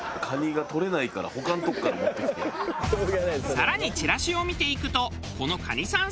更にチラシを見ていくとこの蟹さん